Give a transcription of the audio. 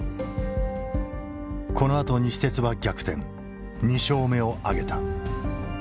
このあと西鉄は逆転２勝目を挙げた。